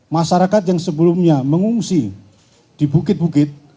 masyarakat yang sebelumnya mengungsi di bukit bukit